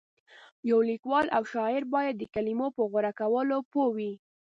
یو لیکوال او شاعر باید د کلمو په غوره کولو پوه وي.